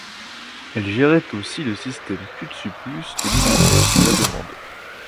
Elle gérait aussi le système Kutsuplus de mini-bus à la demande.